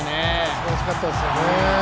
すばらしかったですよね。